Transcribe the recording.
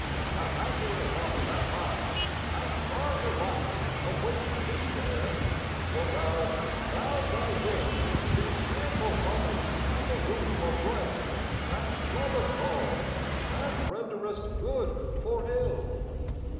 A happier lot than mine, and larger light, Await thee there; for thou hast bowed thy will In cheerful homage to the rule of right, And lovest all, and renderest good for ill.